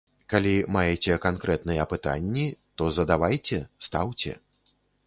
Калі маеце канкрэтныя пытанні, то задавайце, стаўце.